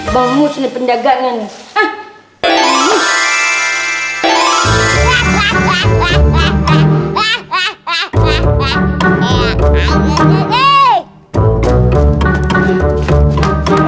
bang mus ini pendagangnya nih